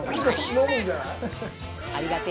飲むんじゃない？